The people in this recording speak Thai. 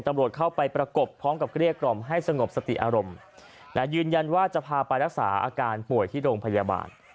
ตำรวจเข้าไปประกบพร้อมกับเกลี้ยกล่อมให้สงบสติอารมณ์ยืนยันว่าจะพาไปรักษาอาการป่วยที่โรงพยาบาล